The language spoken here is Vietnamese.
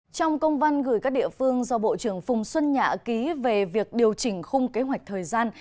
trong công văn gửi các địa phương do bộ trưởng phùng xuân nhạ ký về việc điều chỉnh khung kế hoạch thời gian